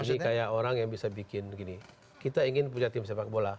ini kayak orang yang bisa bikin gini kita ingin punya tim sepak bola